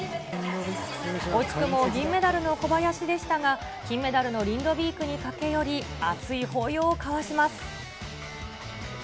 惜しくも銀メダルの小林でしたが、金メダルのリンドビークに駆け寄り、熱い抱擁を交わします。